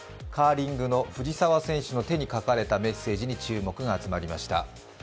カーリングの藤澤選手の手に書かれたメッセージに注目が集まりました。